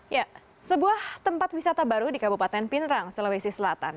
ya sebuah tempat wisata baru di kabupaten pinerang sulawesi selatan